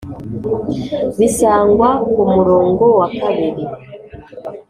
Bisangwa ku murongo wa kabiri